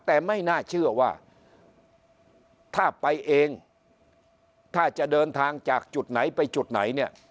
แต่ไม่น่าเชื่อว่าถ้าไปเองถ้าจะเดินทางจากจุดไหนไปจุดไหนเนี่ย